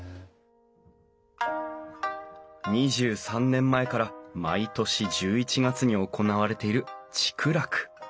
２３年前から毎年１１月に行われている竹楽。